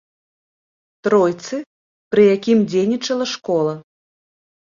Тройцы, пры якім дзейнічала школа.